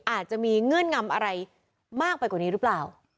อาจจะมีเงื่อนงำอะไรมากไปกว่านี้หรือเปล่า